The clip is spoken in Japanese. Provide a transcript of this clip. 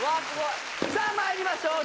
さあ参りましょう。